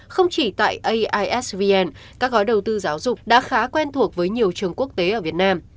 không chỉ tại aisvn các gói đầu tư giáo dục đã khá quen thuộc với nhiều trường quốc tế ở việt nam